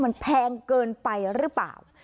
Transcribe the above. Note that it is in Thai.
มันแพงเกินไปหรือเปล่า